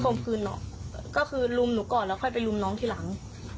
ก็คือข่มขืนน้องก็คือรุมหนูก่อนแล้วไปรุมน้องทีหลัง